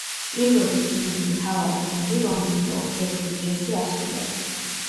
პირველი ფილმის მთავარი გმირი, რომლის როლს ჯეფ ბრიჯესი ასრულებს.